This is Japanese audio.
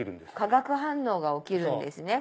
化学反応が起きるんですね。